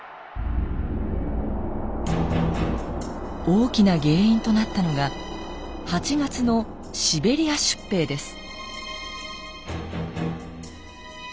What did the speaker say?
大きな原因となったのが８月のシベリア出兵です。